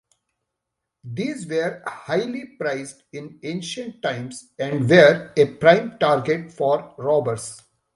These were highly prized in ancient times and were a prime target for robbers.